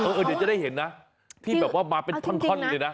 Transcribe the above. เดี๋ยวจะได้เห็นนะที่แบบว่ามาเป็นท่อนเลยนะ